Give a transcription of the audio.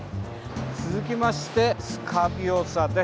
続きましてスカビオサです。